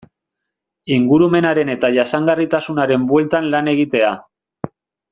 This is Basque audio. Ingurumenaren eta jasangarritasunaren bueltan lan egitea.